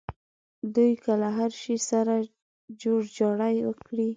دوی که له هر شي سره جوړجاړی وکړي.